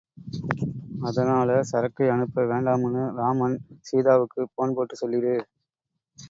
அதனால சரக்கை அனுப்ப வேண்டாமுன்னு ராம் அண்ட் சீதாவுக்கு போன் போட்டுச் சொல்லிடு.